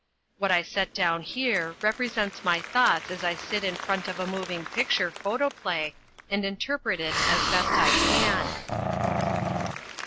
What I set down here represents my thoughts as I sit in front of a moving picture photoplay and interpret it as best I can.